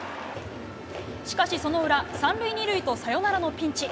しかし、その裏、３塁２塁と、サヨナラのピンチ。